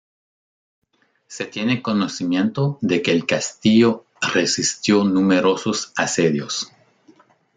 Se tiene conocimiento de que el castillo resistió numerosos asedios.